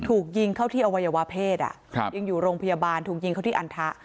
ถูกยิงเข้าที่อวัยวะเพศยังอยู่โรงพยาบาลถูกยิงเขาที่อันทะ